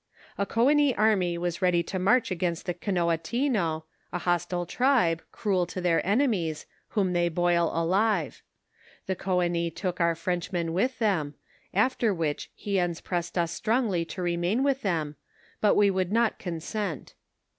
A Coenis army was ready to march against the Kanoatino, a hostile tribe, cruel to their enemies, whom they boil alive ; the Coenis took our Frenchmen with them, after which Hiens pressed us strongly to remain with them, but we would not consent.